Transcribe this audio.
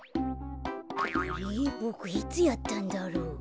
あれボクいつやったんだろう？